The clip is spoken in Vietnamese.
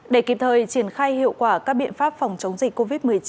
để kịp thời triển khai hiệu quả các biện pháp phòng chống dịch covid một mươi chín